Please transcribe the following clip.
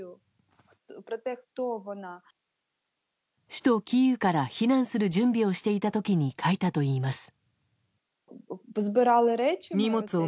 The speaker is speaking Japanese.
首都キーウから避難する準備をしていた時に書いたといいます。